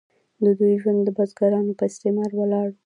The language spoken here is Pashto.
د دوی ژوند د بزګرانو په استثمار ولاړ و.